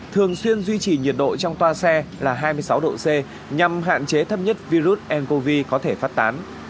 thường xuyên duy trì nhiệt độ trong toa xe là hai mươi sáu độ c nhằm hạn chế thấp nhất virus ncov có thể phát tán